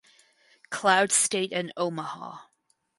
Cloud State and Omaha.